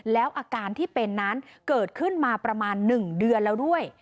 แล้วอาการที่เป็นนั้นเกิดขึ้นมาประมาณ๑เดือนแล้วด้วย